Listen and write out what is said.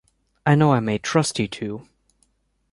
I know I may trust you two.